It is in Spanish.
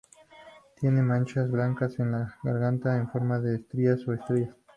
Tiene manchas blancas en la garganta en forma de estrías o estrellas.